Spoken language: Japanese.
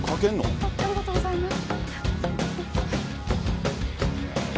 ありがとうございます。